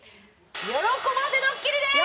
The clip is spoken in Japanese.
喜ばせドッキリです！